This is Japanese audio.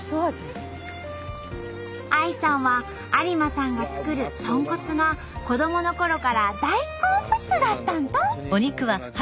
ＡＩさんは有馬さんが作る豚骨が子どものころから大好物だったんと！